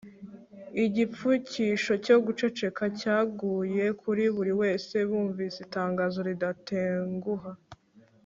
Igipfukisho cyo guceceka cyaguye kuri buri wese bumvise itangazo ridatenguha